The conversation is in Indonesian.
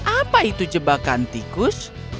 apa itu jebakan tikus